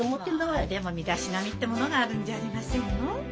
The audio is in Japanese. まあでも身だしなみってものがあるんじゃありませんの？